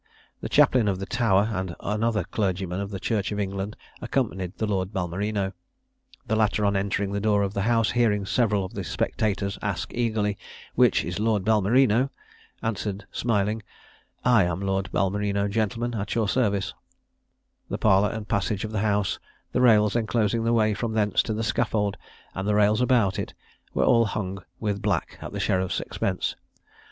The chaplain of the Tower and another clergyman of the church of England accompanied the Lord Balmerino. The latter, on entering the door of the house, hearing several of the spectators ask eagerly, "Which is Lord Balmerino?" answered, smiling, "I am Lord Balmerino, gentlemen, at your service." The parlour and passage of the house, the rails enclosing the way from thence to the scaffold, and the rails about it, were all hung with black at the sheriffs' expense.